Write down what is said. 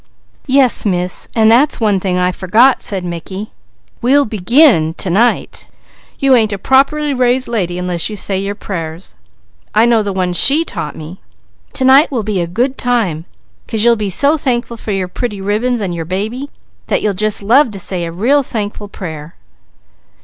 "Yes Miss, and that's one thing I forgot!" said Mickey. "We'll begin to night. You ain't a properly raised lady unless you say your prayers. I know the one She taught me. To night will be a good time, 'cause you'll be so thankful for your pretty ribbons and your baby, that you'll just love to say a real thankful prayer."